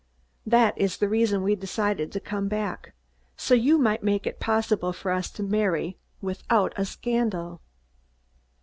That is the reason we decided to come back so you might make it possible for us to marry without a scandal."